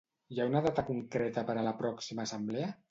Hi ha una data concreta per a la pròxima assemblea?